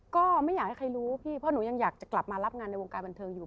ก็ไม่อยากให้ใครรู้พี่เพราะหนูยังอยากจะกลับมารับงานในวงการบันเทิงอยู่